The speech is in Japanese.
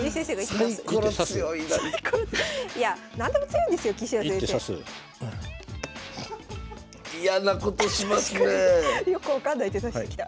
確かによく分かんない手指してきた。